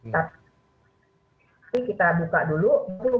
tapi kita buka dulu